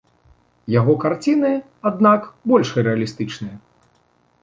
Яго карціны, аднак, больш рэалістычныя.